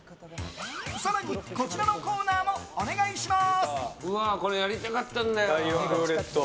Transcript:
更に、こちらのコーナーもお願いします。